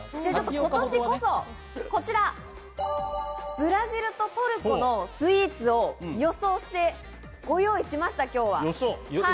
今年こそ、こちら、ブラジルとトルコのスイーツを予想してご用意しました、今日は。